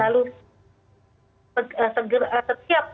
lalu setiap memegang anak tersebut